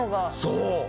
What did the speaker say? そう。